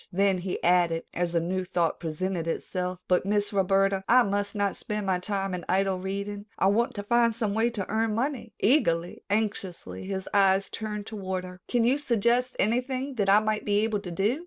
Then he added as a new thought presented itself: "But, Miss Roberta, I must not spend my time in idle reading. I want to find some way to earn money." Eagerly, anxiously, his eyes turned toward her. "Can you suggest anything that I might be able to do?"